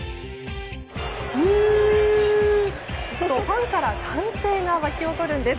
ヌート！と、ファンから歓声が沸き起こるんです。